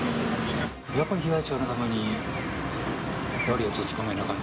やっぱり被害者のために、悪いやつを捕まえなあかん